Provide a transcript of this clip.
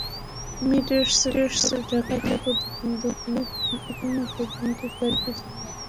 Emirates Dhaka থেকে এখন প্রতিদিন দুবাই অভিমুখে তিনটি ফ্লাইট পরিচালনা করছে।